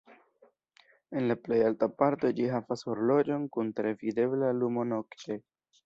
En la plej alta parto ĝi havas horloĝon kun tre videbla lumo nokte.